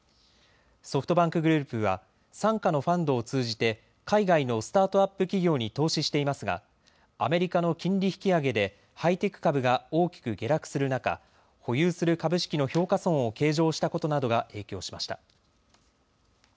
ソフトバンクグループは傘下のファンドを通じて海外のスタートアップ企業に投資していますが、アメリカの金利引き上げでハイテク株が大きく下落する中、保有する株式の評価損を計上したことなどが影響しました。